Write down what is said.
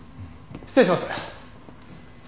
失礼します。